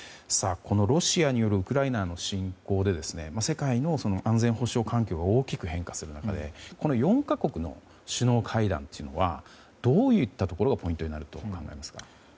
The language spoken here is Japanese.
ロシアによるウクライナへの侵攻で世界の安全保障環境が大きく変化するのでこの４か国の首脳会談というのはどういったところがポイントになると思われますか。